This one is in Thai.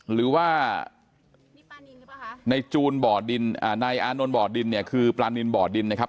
หรือว่าในจูนบ่อดินนายอานนท์บ่อดินเนี่ยคือปลานินบ่อดินนะครับ